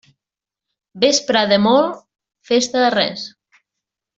Vespra de molt, festa de res.